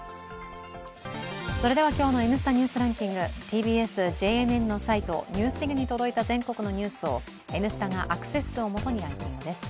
それでは今日の「Ｎスタ・ニュースランキング」ＴＢＳ・ＪＮＮのサイト「ＮＥＷＳＤＩＧ」に届いた全国のニュースを「Ｎスタ」がアクセス数を基にランキングです。